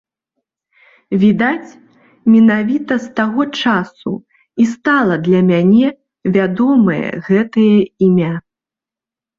Відаць, менавіта з таго часу і стала для мяне вядомае гэтае імя.